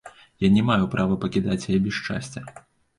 Я не маю права пакідаць яе без шчасця.